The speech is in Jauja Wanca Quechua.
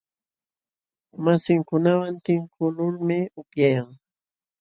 Masinkunawan tinkuqlulmi upyayan.